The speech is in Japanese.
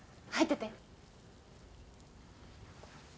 入ってて。